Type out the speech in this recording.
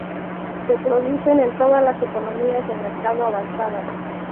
Se producen en todas las economías de mercado avanzadas.